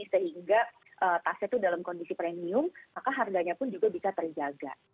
sehingga tasnya itu dalam kondisi premium maka harganya pun juga bisa terjaga